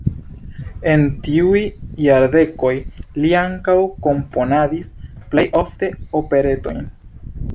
En tiuj jardekoj li ankaŭ komponadis, plej ofte operetojn.